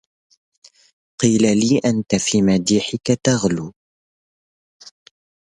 قيل لي أنت في مديحك تغلو